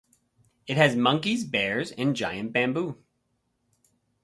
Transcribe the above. It has monkeys, bears and giant bamboo.